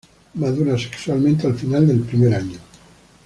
Madura sexualmente al final del primer año.